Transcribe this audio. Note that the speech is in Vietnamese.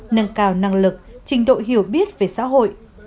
nâng cao năng lực trình độ hiểu biết về xã hội